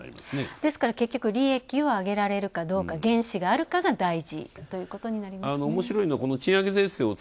ですから結局利益を上げられるかどうか、原資があるかどうかが大事ということですね。